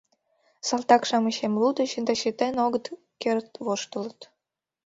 Салтак-шамычем лудыч да чытен огыт керт воштылыт.